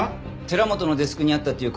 寺本のデスクにあったっていう